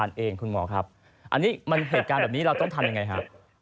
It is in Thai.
เรียนท่านพี่น้องประชาชนด้วยนะฮะ